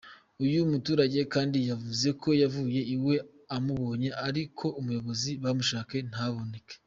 Uyu muturage kandi yavuze ko yavuye iwe amubonye ariko ko ubuyobozi bumushaka ntaboneke.